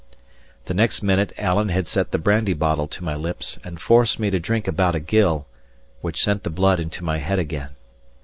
The next minute Alan had set the brandy bottle to my lips, and forced me to drink about a gill, which sent the blood into my head again.